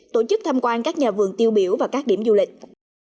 tổ chức tham quan các nhà vườn tiêu biểu và các điểm du lịch